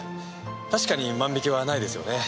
確かに万引きはないですよね。